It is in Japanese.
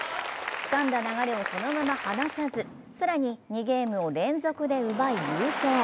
つかんだ流れをそのまま離さず、更に２ゲームを連続で奪い、優勝。